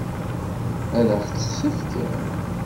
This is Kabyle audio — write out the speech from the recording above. Ad ɣ-tt-tefkem?